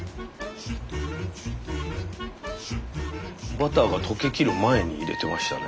バターが溶けきる前に入れてましたね